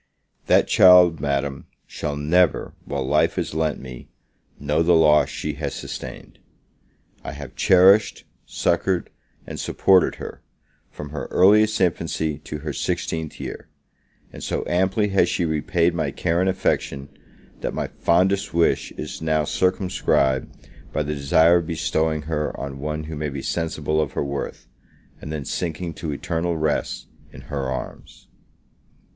That child, Madam, shall never, while life is lent me, know the loss she has sustained. I have cherished, succoured, and supported her, from her earliest infancy to her sixteenth year; and so amply has she repaid my care and affection, that my fondest wish is now circumscribed by the desire of bestowing her on one who may be sensible of her worth, and then sinking to eternal rest in her arms.